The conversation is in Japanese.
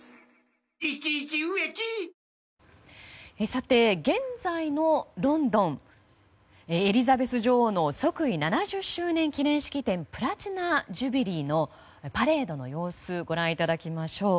さて、現在のロンドンエリザベス女王の即位７０周年記念式典プラチナ・ジュビリーのパレードの様子をご覧いただきましょう。